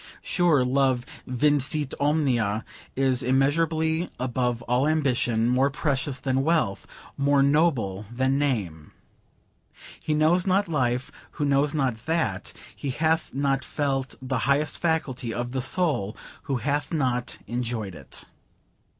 Sure, love vincit omnia; is immeasurably above all ambition, more precious than wealth, more noble than name. He knows not life who knows not that: he hath not felt the highest faculty of the soul who hath not enjoyed it.